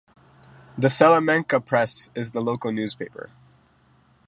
The "Salamanca Press" is the local newspaper.